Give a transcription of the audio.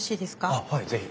あっはい是非。